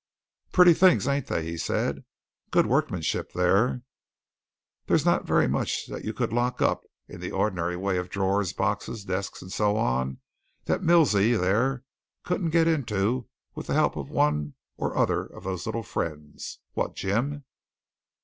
"Pretty things, ain't they?" he said. "Good workmanship there! There's not very much that you could lock up in the ordinary way of drawers, boxes, desks, and so on that Milsey there couldn't get into with the help of one or other of those little friends what, Jim?"